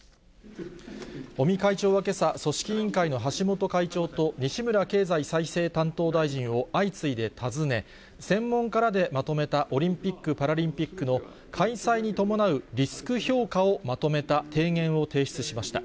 尾身会長はけさ、組織委員会の橋本会長と西村経済再生担当大臣を相次いで訪ね、専門家らでまとめたオリンピック・パラリンピックの開催に伴うリスク評価をまとめた提言を提出しました。